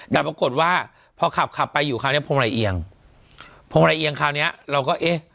แต่ปรากฏว่าพอขับขับไปอยู่คราวเนี้ยพวงละเอียงพวงละเอียงคราวเนี้ยเราก็เอ๊ะ